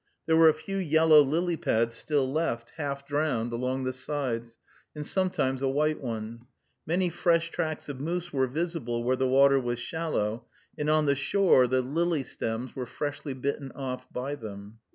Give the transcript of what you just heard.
There were a few yellow lily pads still left, half drowned, along the sides, and sometimes a white one. Many fresh tracks of moose were visible where the water was shallow, and on the shore, the lily stems were freshly bitten off by them.